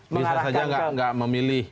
bisa saja nggak memilih